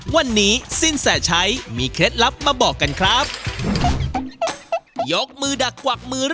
มันต้องรู้ถึงและมันได้จัดการ